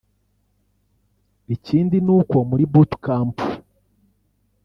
Ikindi n’uko muri Boot camp